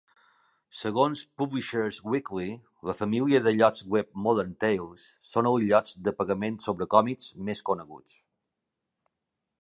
Segons "Publishers Weekly", la família de llocs web Modern Tales són els llocs de pagament sobre còmics més coneguts.